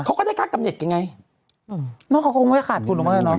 เขาก็ได้คาดกำเน็ตยังไงมันก็คงไม่ขาดคุณลงไปเลยเนอะ